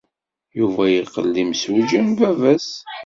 Yuba yeqqel d imsujji am baba-s.